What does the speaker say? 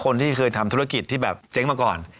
คนที่เคยทำธุรกิจที่แบบเจ๊งมาก่อน